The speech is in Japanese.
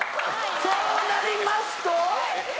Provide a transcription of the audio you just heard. そうなりますと。